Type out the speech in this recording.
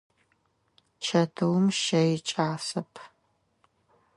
Чэтыум щэ икӏасэп.